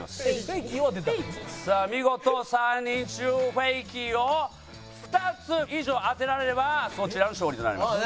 さあ見事３人中フェイキーを２つ以上当てられればそちらの勝利となります。